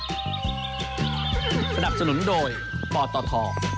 สนับสนุนโดยปตท